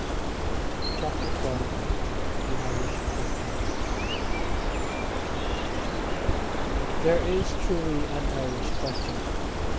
CHAPTER XII. THE IRISH QUESTIONS. There is truly an Irish question.